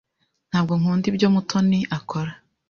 Ntabwo nkunda ibyo Mutoni akora.